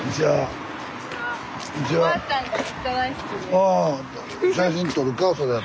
ああ写真撮るか？